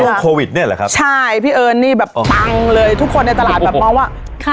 โควิดเนี่ยแหละครับใช่พี่เอิญนี่แบบปังเลยทุกคนในตลาดแบบมองว่าค่ะ